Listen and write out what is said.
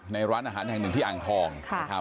ในร้านอาหารแห่งหนึ่งที่อ่างทอง